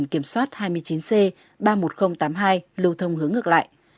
biển kiểm soát hai mươi chín c ba mươi một nghìn tám mươi hai lưu thông hướng ngược lại